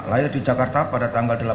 lahir di jakarta pada tanggal delapan